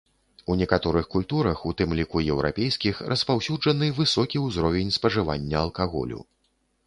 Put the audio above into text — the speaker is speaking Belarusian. У некаторых культурах, у тым ліку еўрапейскіх, распаўсюджаны высокі ўзровень спажывання алкаголю.